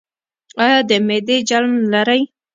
ایا د معدې جلن لرئ؟